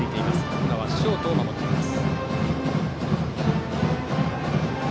今はショートを守っています。